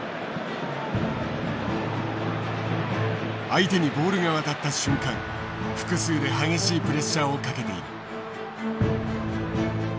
相手にボールが渡った瞬間複数で激しいプレッシャーをかけている。